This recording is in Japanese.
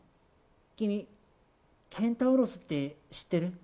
君、ケンタウロスって知ってる？